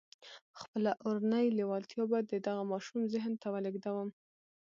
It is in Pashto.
خپله اورنۍ لېوالتیا به د دغه ماشوم ذهن ته ولېږدوم.